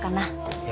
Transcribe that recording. いや。